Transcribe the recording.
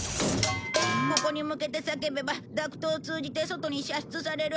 ここに向けて叫べばダクトを通じて外に射出される。